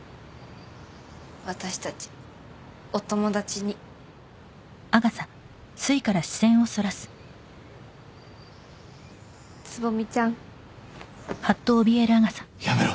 私たちお友達に蕾ちゃんやめろ